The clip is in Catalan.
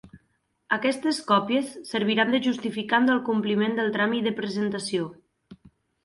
Aquestes còpies serviran de justificant del compliment del tràmit de presentació.